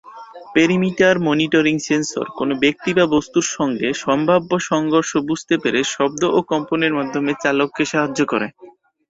Perimeter monitoring sensor কোন ব্যক্তি বা বস্তুর সঙ্গে সম্ভাব্য সংঘর্ষ বুঝতে পেরে শব্দ ও কম্পনের মাধ্যমে চালককে সাহায্য করে।